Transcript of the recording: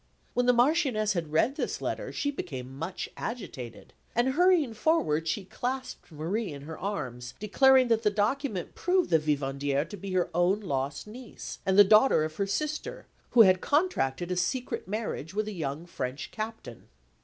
When the Marchioness had read this letter, she became much agitated; and hurrying forward, she clasped Marie in her arms, declaring that the document proved the vivandière to be her own lost niece, and the daughter of her sister, who had contracted a secret marriage with a young French captain.